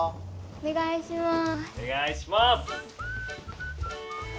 おねがいします！